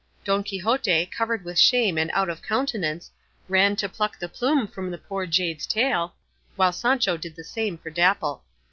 Don Quixote, covered with shame and out of countenance, ran to pluck the plume from his poor jade's tail, while Sancho did the same for Dapple.